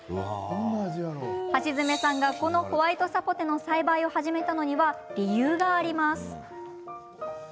橋爪さんがこのホワイトサポテの栽培を始めたのには理由があります。